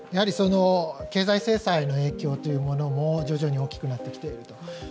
経済制裁の影響というのも徐々に大きくなってきていると。